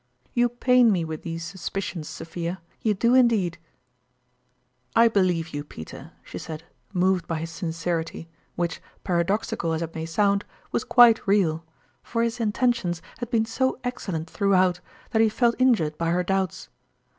You pain me with these suspicions, Sophia you do, indeed !"" I believe you, Peter," she said, moved by his sincerity, which, paradoxical as it may sound, was quite real ; for his intentions had been so excellent throughout, that he felt in jured by her doubts.